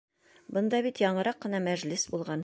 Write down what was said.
— Бында бит яңыраҡ ҡына мәжлес булған!